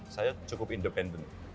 saya cukup independen